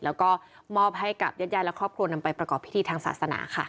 แล้วก็มอบให้กับญาติยายและครอบครัวนำไปประกอบพิธีทางศาสนาค่ะ